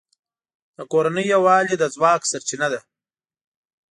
د کورنۍ یووالی د ځواک سرچینه ده.